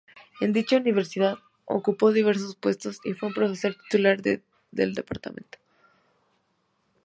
En dicha universidad ocupó diversos puestos y fue profesor Titular del Dpto.